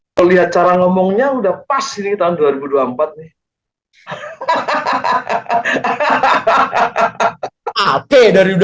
kalau lihat cara ngomongnya udah pas ini tahun dua ribu dua puluh empat nih